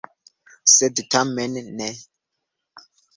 Sed tamen ne!